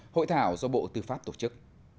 hội thảo do bộ tư pháp tổ chức